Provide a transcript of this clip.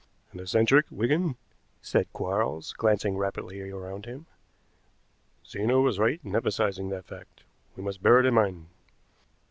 "An eccentric, Wigan," said Quarles, glancing rapidly around him. "Zena was right in emphasizing that fact. We must bear it in mind."